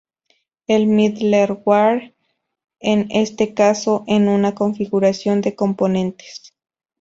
El "middleware" en este caso en una configuración de componentes.